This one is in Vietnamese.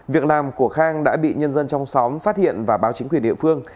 việc làm của khang đã bị nhân dân trong xóm phát hiện và báo chính quyền địa phương